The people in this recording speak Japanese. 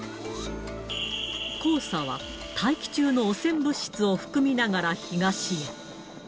黄砂は、大気中の汚染物質を含みながら東へ。